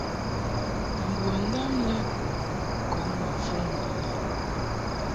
Ngondam lɛ kɔŋ ma fuŋ ŋwaʼni.